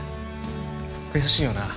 悔しいよな？